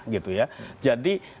gitu ya jadi